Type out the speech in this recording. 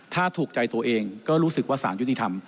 ถ้าถูกใจตัวเองก็รู้สึกว่าสารยุติธรรม